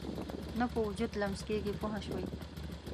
نه په وجود لمس کېږي پوه شوې!.